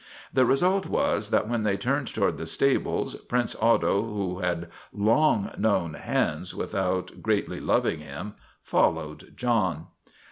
The result was that when they turned toward the stables, Prince Otto, who had long known Hans without greatly loving him, followed John.